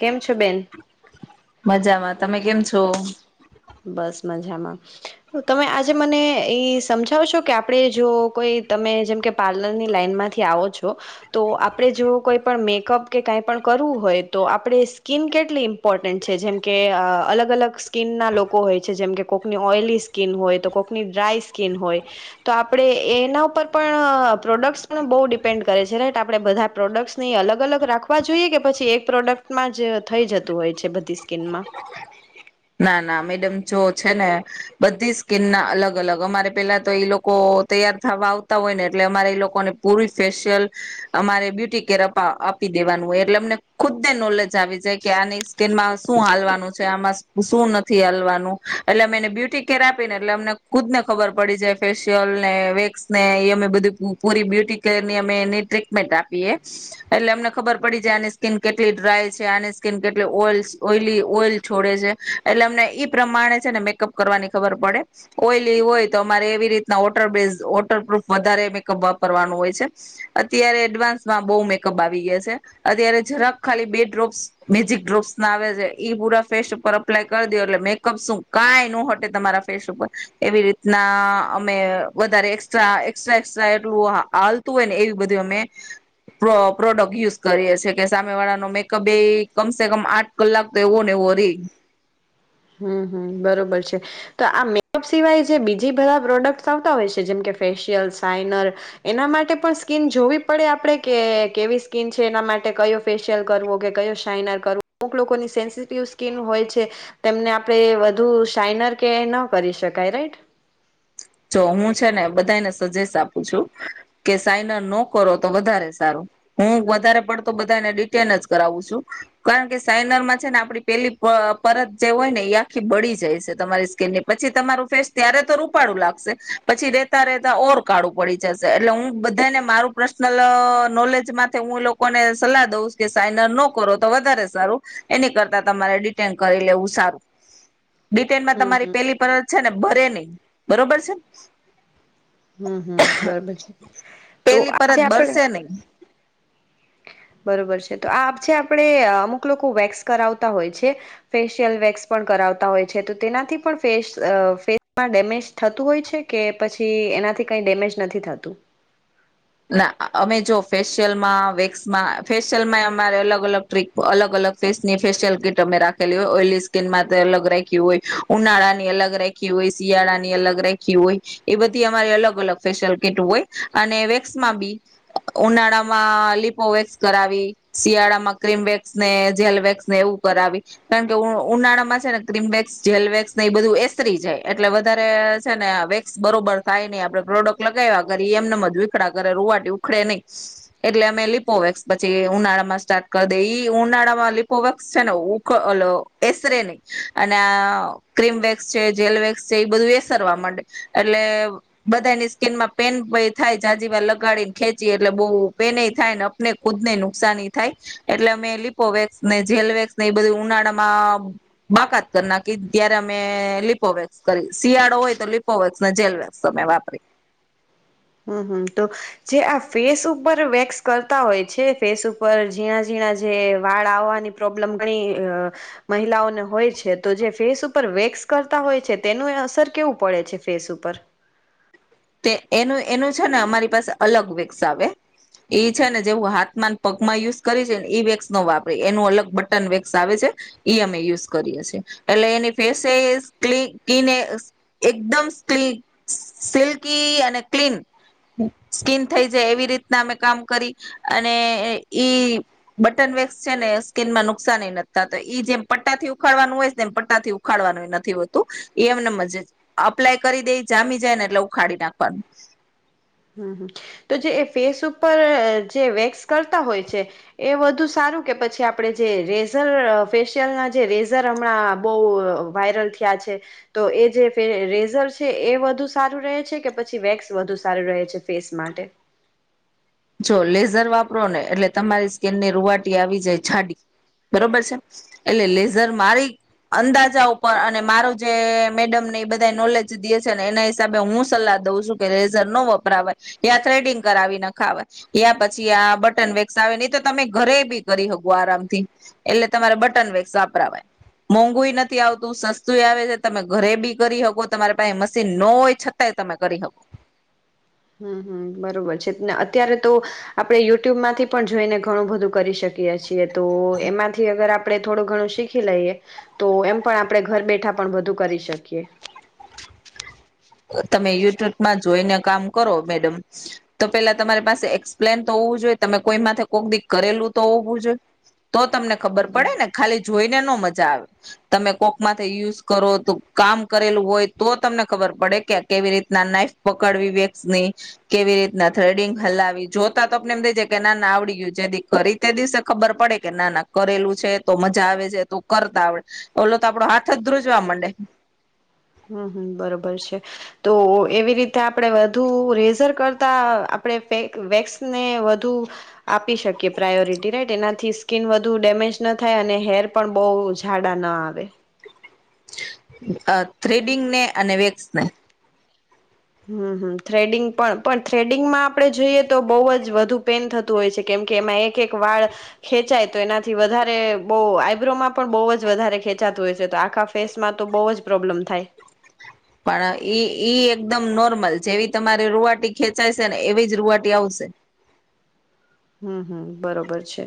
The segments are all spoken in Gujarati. કેમ છો બેન? મજામાં તમે કેમ છો મામાં તમે આજે મને એ સમજાવ છો કે આપણે જો, કોઈ તમે જેમ કે પાર્લરની લાઈન માંથી આવો છો તો, આપણે જો કોઈ પણ મેકઅપ કે કાંઈ પણ કરવું હોય તો આપણે સ્કીિન કેટલી ઇમ્પોર્ટન્ટ છે. જેમ કે અલગ અલગ સ્કીિનના લોકો લોકો હોય છે. જેમ કે, કોકની ઓઈલી સ્કીિન હોય તો કોકની ડ્રાય સ્કીિન હોય તો આપણે એના ઉપર પણ પ્રોડક્ટસ પણ બહુ ડિપેન્ડ કરે છે. રાઈટ આપણે બધા પ્રોડક્ટ્સની અલગ અલગ રાખવા જોઈએ કે પછી એક પ્રોડક્ટમાં જ થઈ જતું હોય છે બધી સ્કીનમાં [inaudible] ના નામે સ્કીન ના અલગ અલગ અમારે પહેલા તો એ લોકો તૈયાર થવા આવતા હોય ના અલગ અલગ અમારે પહેલા તો એ લોકો તૈયાર થવા આવતા હોય ને એટલે અમારે લોકોને પૂરી સ્પેશિયલ શું નથી, હાલવાનું એટલે અમે એને બ્યુટી કેર આપીને એટલે અમને ખુદ ને ખબર પડી છેાય ફેશિયલ ને વેક્સ ને એ અમે બધી પૂરી બ્યુટી કેર ની અમે એની, ટ્રીટમેન્ટ આપીએ એટલે અમને ખબર પડી છેાય આની સ્કીિન કેટલી ડ્રાય છે આની સ્કીિન કેટલી ઓ ઓઈલી ઓઈલ છોડે છે. એટલે અમને ઈ પ્રમાણે છે ને મેકઅપ કરવાની ખબર પડે ઓઈલી હોય તો અમારે એવી રીતના વોટર બેઝ વોટરપૂફ વધારે મેકઅપ વાપરવાનું હોય છે અત્યારે એડવાન્સમાં બહુ મેકઅપ આવી ગયા છે અત્યારે જરાક ખાલી બે ડ્રોપ્સ મેજિક ડ્રોપ્સ ના આવે છે પૂરા ફેસ ઉપર એપ્લાય કરી દ એટલે મેકઅપ શું, કાંઈ ન હટે તમારા ફેસ ઉપર એવી રીતના અમે વધારે એસ્ટ્રા એ્રા એસ્ટા એટલું હાલતું હોય ને એવી બધી અમે પ્રોડક્ટ યુઝ કરીએીએ કે સામે વાળાનો મેકઅપ એ કમસે કમ આઠ કલાક તો એવો ને એવો રહી. હમ હમ બરોબર છે. તો, આ મેકઅપ સિવાય જે બીજી બધા પ્રોડક્ટ્સ આવતા હોય છે જેમ કે ફેશિયલ શાઈનર એના માટે પણ સ્કીિન જોવી પડે આપડણે કે કેવી સ્કીિન છે એના માટે કયો ફેશિયલ કરવો કે કયો શાઈનર કરવો અમુક લોકોની સેન્સિટિવ સ્કીિન હોય છે. તેમને, આપણે વધુ શાઈનર કે ન કરી, શકાય રાઈટ જો હું છે ને, બધાને સજેસ આપું છું કે સાઈનર નો કરો તો વધારે સારો હું, વધારે પડતો બધાને ડિટેન જ કરાવું છું કારણ કે સાઇનરમાં છે, ને આપડી પેલી પરત જે હોય ને એ આખી બળી જાય છે. તમારી સ્કીિન ની પછી તમારું ફેસ ત્યારે તો રૂપાળું લાગ પછી, રેતા રેતા ઓર કાળું પડી જશે. એટલે હું બધાને મારું પર્સનલ નોલેજ હું લોકોને સલાહ દઉ કે સાઈન અન નો કરો તો, વધારે સારું એની કરતા તમારે ડિટેન કરી લેવું સારું બિટેલમાં હમ તમારી હમ પેલી પર છે ને ભરે નહી બરોબર હછ હમ હમ બરોબર છે. તો, પેલી આજે પરત આપડ બરશે નહી બરોબર છે તો આ છે, આપણે અમુક લોકો વેક્સ કરાવતા હોય છે. ફેશિયલ વેક્સ પણ કરાવતા હોય છે. તો તેનાથી પણ ફેસ ફેસમાં ડેમેજ થતું હોય છે કે, પછી એનાથી કઈ ડેમેજ નથી થતું ના અમે જો ફેશિયલ માં વેક્સમાં ફેશિયલમાં અમારે અલગ અલગ ટ્રીક અલગ અલગ ફેસ ની ફેશિયલ કીટ અમે રાખેલી હોય ઓઇલી સ્કીિનમાં અલગ રાખી હોય ઉનાળા ની અલગ રાખી હોય શિયાળાની અલગ રાખી હોય એ બધી અમારી, અલગ અલગ ફેશિયલ કીટ હોય અને વેક્ બ ઉનાળામાં લિપો વક્સ કરાવી શિયાળામાં ક્રિમ વક્સ ને જેલ વેક્સ ને એવું કરાવી કારણ કે ઉનાળામાં છે. ને, ક્ર્રીમવેેક્સ જેલ વેક્સ ને એ બધું એતરી જાય એટલે વધારે છે ને, વેક્સ બરોબર થાય નહી આપડણે પ્રોડક્ટ લગાવવા. કરીએ એમને મજ ઉડા કરે રુવાટી ઉખડે નહીિ એટલે અમે લીપોવેક્સ પછી ઉનાળામાં સ્ટાર્ટ કરી દેએ ઉનાળામાં લીપોવેક્સ છે ને એસરે નહી અને આ ક્રીમ વેક્સ છે જેલવેેક્સ છે એ બધું એસરવા માંડે એટલે બધાની સ્કીિન માં પેન થાય જાજીવા લગાડી ને ખેંચી એટલે બહુ પેન થાય ને અપને ખુદ ને નુકસાની થાય એટલે અમે લિપોવેક્સ ને જેલવેક્સ ને એ બધું ઉનાળામાં બાકાત કરી નાખી ત્યારે અમે લિપોવેક્સ કરી શિયાળો હોય તો લીપોવેક્સ ને જેલવેક્સ અમે વાપરી હમ હમ તો જે આ ફેસ ઉપર વેક્સ કરતા હોય છે ફેસ ઉપર ઝીણા ઝીણા જે વાળ આવવાની પ્રોબ્લેમ ઘણી મહિલાઓને હોય છે તો જે ફેસ ઉપર વેક્સ કરતા હોય છે તેનું એ અસર કેવું પડે છે ફેસ ઉપર એનું એનું છે ને અમારી પાસે અલગ વેક્સ આવે છે ને જે હું હાથમાંન પગમાં યુઝ કરી છે ને વેક્સ નો વાપરી એનું અલગ બટન વેક્સ આવે છે એ અમે યુઝ કરીએ છીએ એટલે એની ફેસે કને એકદમ સ્લી સક અને ક્લીન સ્કીિન થઈ જાય, એવી રીતના અમે કામ કરી અને ઈ બટન વેક્સ છે ને સ્કીિન માં નુકસાન નથીતા જેમ પટ્ટા થી ઉખાડવાનું હોય તેમ પટ્ટાથી ઉખાડવાનું નથી, હોતું એ, એમને મજ અપ્લાય કરી દે જામી જાય ને એટલે ખાડી નાખવા હમ તો જે એ ફેસ ઉપર જે વેક્સ કરતા હોય છે એ વધુ સારું કે પછી આપણે જે રેઝર ફેશિયલના જે રેઝર હમણાં બહુ વાયરલ થયા છે, તો એ જે રેઝર છે એ વધુ સારું રહે છે કે પછી વેક્સ વધુ સારું રહે છે ફેસ માટે જો લેઝર વાપરો ને એટલે તમારી સ્કીિનની રૂવાટી આવી જાય જાાડી બરોબર છે. એટલે લેઝર મારી અંદાજા ઉપર અને મારો જે મેડમને એ બધા નોલેજ દે છે, ને એના હિસાબે હું સલાહ દઉં છું કે લેઝર ન વપરાવાય યા થ્રેડિંગ કરાવી નાખ. ખ યા પછી આ બટન વેક્સ આવે નહી, તો તમે ઘરે બી કરી શકો આરામથી એટલે તમારે બટન વેક્સ વાપરાવાય મોંઘું નથી આવતું સસ્તું આવે છે તમે ઘરે બી કરી શકો તમારે પાસે મશીન ન હોય છતાંય તમે કરી શકો હમ હમ બરોબર છેને અત્યારે તો, આપડણે યુટ્યુબ માંથી પણ જોઈને ઘણું બધું કરી શકીએ છીએ. તો, એમાંથી અગર આપ આપણે, થોડું ઘણું શીખી લઈએ. તો, એમ પણ આપણે ઘર બેઠા પણ બધું કરી શકીએ તમે યુટ્યુબમાં જોઈને કામ કરો મેડમ તો પેલા તમારી પાસે એક્સપ્લેન તો હોવું જોઈએ. તમે કોઈ માથે કોક દ કરેલું તો હોવું જોઈએ તો તમને ખબર પડે ને ખાલી જોઈને નો મજા આવે તમે કોક માંથી યુઝ કરો તો કામ કરેલું હોય તો તમને ખબર પડે કે કેવી રીતના નાઈફ પકડવી વેક્સની કેવી રીતના થ્રેડિંગ હલાવી જોતા તો, આપને એમ થઈ જ કે ના ના આવડી ગયું જેથી કરી તે દિવસે ખબર પડે કે ના ના કરેલું છે તો મજા આવે છે, ત કરતા આવડે ઓલો તો આપડો હાથ જ ધ્રુજવા માંડે હમ હમ બરોબર છે તો એવી રીતે આપડે વધુ રેઝર કરતા આપણેે વેક્સ ને વધુ આપી શકીએ પ્રાયોરિટી. રાઈટ એનાથી સ્કીન વધુ ડેમેજ ન થાય અને હેર પણ બહુ જાઝડા ન આવે. અ થ્રેડિંગને અને વેક્સને હમ હમ થ્રેડિંગ પણ પણ થ્રેડિંગમાં આપણે જોઈએ તો બહુ જ વધુ પેન થતું હોય છે કેમકે એમાં એક એક વાળ ખેંચાય તો એનાથી વધારે બહ આઈબ્રોમાં પણ બહુ જ વધારે ખેંચાતું હોય છે તો આખા ફેસમાં તો બહુ જ પ્રોબ્લમ થાય. પણ ઈ ઈ એકદમ નોર્મલ જેવી તમારી રુવાટી ખેંચાય છે ને એવી જ રુવાટી આવશે હમ હમ બરોબર છે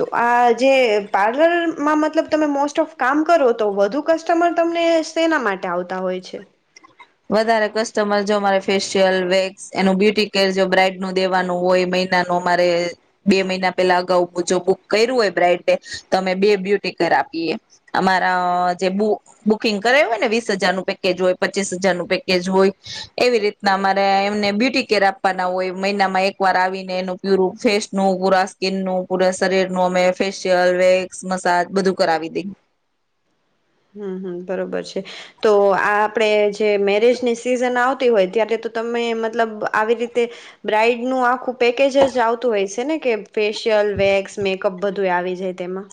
તો આ જે પાર્લરમાં મતલબ તમે મોસ્ટ ઓફ કામ કરો તો વધુ કસ્ટમર તમને સેના માટે આવતા હોય છે. વધારે કસ્ટમર જો અમારે ફેશિયલ વેક્સ એનું બ્યુટી કેર જો બ્રાઈડ નું દેવાનું હોય મહિનાનું અમારે બે મહિના પેલા અગાઉ જો બુક કર્યું હોય બ્રાઈડને તો અમે બે બ્યુટી કેર આપીએ અમારા જે બુકિંગ કરેું હોય ને વીસ હજારનું પેકેજ હોય પચીસ હજારનું પેકેજ હોય એવી રીતના અમારે એમને બ્યુટી કેર આપવાના હોય મહિનામાં એક વાર આવીને એનું પ્યુર ફેસ નું પૂરા સ્કીિનનું પૂરા શરીરનું અમે ફેશિયલ વેક્સ મસાજ બધું કરાવી દઈ હમ હમ બરોબર છે, તો આ આપડે જે મેરેજની સિઝન આવત હોય ત્યારે તો તમે મતલબ આવી રીતે બ્રાઈડ નું આખું પેકેજ જ આવતું હોય છે, ને કે ફેશિયલ વેક્સ મેકઅપ બધું આવી જાય તેમાં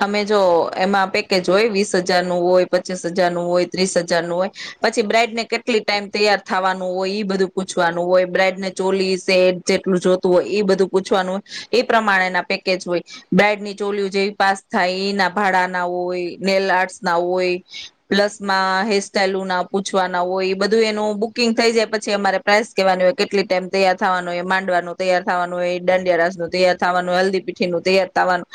તમે જો એમાં પેકેજ હોય વીસ હજાર નું હોય પચ્ચીસ હજારનું હોય ત્રીસ હજારનું હોય પછી બ્રાઇડને કેટલી ટાઈમ તૈયાર થવાનું હોય ઈ બધું પૂછવાનું હોય બ્રાઇડને ચોલી સેટ જેટલું જોતું હોય એ બધું પૂછવાનું હોય એ પ્રમાણેના પેકેજ હોય બ્રાઈડ ની ચોલીઓ જેવી પા થાય એના ભાડા ના હોય નેલ આર્ટસ ના હોય પ્લસ માં હેરિસ્ટાઇલ ના પૂછવાના હોય એ બધું એનું બુકિંગ થઈ જાય પછી અમારે પ્રાઇસ કેહેવાનું હોય કેટલી ટાઈમ તૈયાર થવાનું હોય માંડવાનું તૈયાર થવાનું હોય દાંડિયા રાસ નું તૈયાર થવાનું હોય હલ્દી, પીઠી નું તૈયાર થવાનું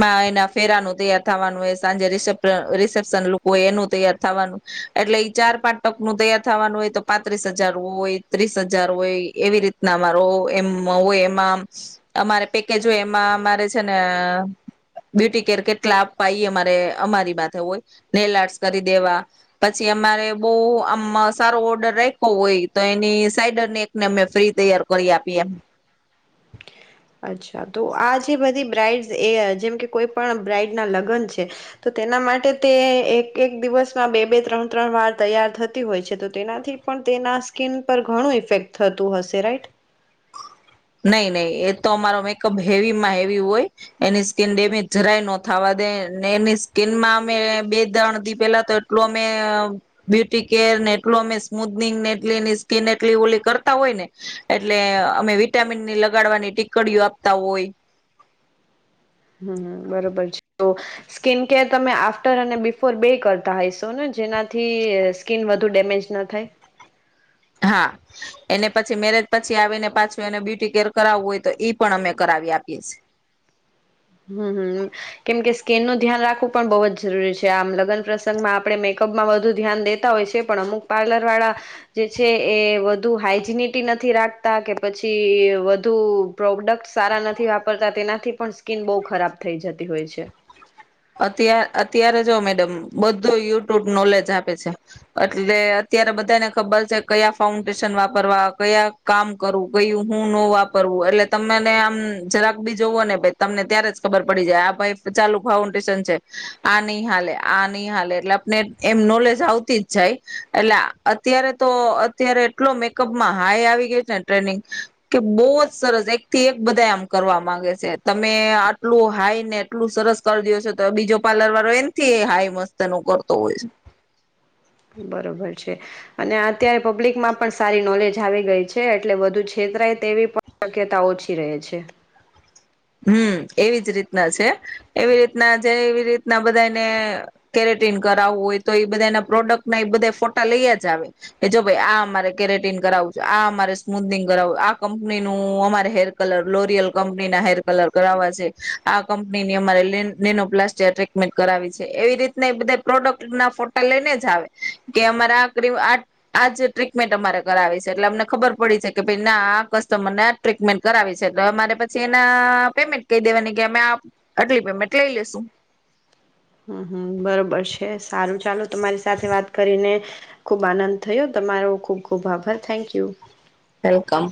માં એના ફેરાનું તૈયાર થવાનું હોય સાંજે રિસેશન સ્વાગત લુક હોય એનું તૈયાર થવાનું એટલે ઈ ચાર પાંચ ટક ન તૈયાર થવાનું હોય તો પાંત્રીસ હજાર હોય ત્રીસ હજાર હોય એવી રીતના અમારો એમ હોય એમાં અમારે પેકેજ હોય એમાં અમારે છે, ને બ્યુટી કેર કેટલા આપવા એ અમારે અમારી માથે હોય નેલ આર્ટસ કરી દેવા પછી અમારે બહુ આમ સારો ઓર્ડર રાખો હોય તો એની સાઈડરને એકને અમે ફ્રી તૈયાર કરી આપીએ અચ્છા તો આ જે બધી બ્રાઇડ્સ એ જેમ કે કોઈ પણ બ્રાઇડના લગ્ન છે તો તેના માટે તે એક એક દિવસમાં બે બે ત્રણ ત્રણ વાર તૈયાર થતી હોય છે તો તેનાથી પણ તેના ત્વચા પર ઘણું ઇફેક્ટ થતું હશે રાઈટ નઈ નહી એ તો અમારો મેકઅપ હેવીમાં હેવી હોય એની ત્વચાને નુકસાન જરાય ન થવા દે એની સ્કીનમાં અમે બે ત્રણ દી પેલા તો એટલો અમે બ્યુટી કેર ને એટલો અમે સ્મુથનીગ ને એટલી એની સ્કીન એટલી ઓલી કરતા હોય ને એટલે અમે વિટામિન ની લગાડવાની ટીકડીઓ આપતા હોય હમ બરોબર છે, તો સ્કીન કેર તમે આફ્ટર અને બીફોર બે કરતા હઈશો ને જેનાથી સ્કીિન વધુ ડેમેજ ન થાય હા એને પછી મેરેજ પછી આવીને પાછું એને બ્યુટી કેર કરાવવું હોય તો ઈ પણ અમે કરાવી આપીએ છે. હમમ કેમકે સ્કીનનું ધ્યાન રાખવું પણ બહુ જ જરૂરી છે, આમ લગ્ન પ્રસંગમાં આપણે મેકઅપમાં વધુ ધ્યાન દેતા હોય છે, પણ અમુક પાર્લર વાળા જે છે, એ વધુ હાઈ જીનિટી નથી રાખતા કે પછી વધુ પ્રોડક્ટ સારા નથી વાપરતા તેનાથી પણ સ્કીન બહુ ખરાબ થઈ જતી હોય છે. અત અત્યારે જો મેડમ બધો યુટ્યુબ નોલેજ આપે છે એટલે અત્યારે બધાને ખબર છે, કયા ફાઉન્ડેશન વાપરવા કયા કામ કરવું કયું હું ન વાપરવું એટલે તમને આમ જરાક બી જોવો ને ભ તમને ત્યારે જ ખબર પડી જાય આ ભાઈ ચાલુ ફાઉ ન્ડેશન આ ન હાલે આ નઈ હાલે એટલે આપને એમ નોલેજ આવતી જ જાય એટલે અત્યારે તો અત્યારે એટલો મેકઅપમાં હાઈ આવી ગયો છે, ને ટ્રેનિંગ કે બહુ જ સરસ એક થી એક બધા આમ કરવા માંગે છે, તમે આટલું હાઈ ને એટલું સરસ કરી દ તો બીજો પાર્લરવાળો એમથી હાઈ મસ્ત એનો કરતો હોય છે. બરોબર છે, અને અત્યારે પબ્લિકમાં પણ સારી જ્ઞાન આવી ગઈ છે, એટલે વધુ છેતરાય તેવી પણ શક્યતા ઓછી રહે છે. હમ એવી જ રીતના છે, એવી રીતના જે એવી રીતના બધાને કેરેટીન કરાવવું હોય તો એ બધાના પ્રોડક્ટના એ બધા ફોટા લઈ જ આવે કે જો ભાઈ આ અમારે કેરેટીન કરાવવું છે, આ અમારે સ્મુથનીગ કરાવવું આ કંપનીનું અમારે હેર કલર લોરિયલ કંપનીના હેર કલર કરાવ છે, આ કંપનીની અમારે નેનોપ્લાસ્ટિયા ટ્રીટમેન્ટ કરાવી છે, એવી રીતના બધા પ્રોડક્ટ ના ફોટા લઈને જ આવે કે અમારે આ આજ ટ્રીટમેન્ટ અમારે કરાવી છે, એટલે અમને ખબર પડી છે, કે કસ્ટમર ના આ ગ્રાહક ને આ ટ્રીટમેન્ટ કરાવી છે, એટલે અમારે પછી એના પેમેન્ટ કહી દેવાની કે અમે આ આટલી પેમેન્ટ લઈ લેશુ હમ હમ બરોબર છે, સારું ચાલો તમારી સાથે વાત કરીને ખુબ આનંદ થયો તમારો ખુબ ખુબ આભાર થેન્ક્યુ વેલકમ